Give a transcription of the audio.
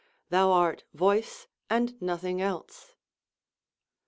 Thou art voice and nothing else.